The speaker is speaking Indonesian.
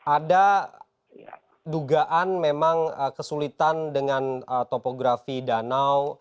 ada dugaan memang kesulitan dengan topografi danau